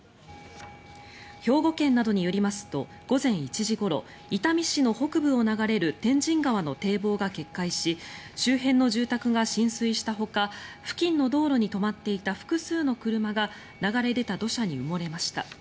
兵庫県などによりますと午前１時ごろ伊丹市の北部を流れる天神川の堤防が決壊し周辺の住宅が浸水したほか付近の道路に止まっていた複数の車が流れ出た土砂に埋もれました。